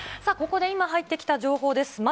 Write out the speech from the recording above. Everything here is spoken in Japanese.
ここで今入ってきた情報です。